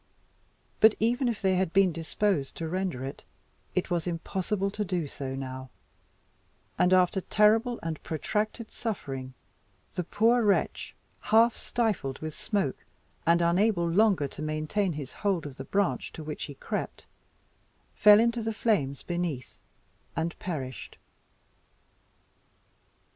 But even if they had been disposed to render it, it was impossible to do so now; and after terrible and protracted suffering, the poor wretch, half stifled with smoke, and unable longer to maintain his hold of the branch to which he crept, fell into the flames beneath, and perished.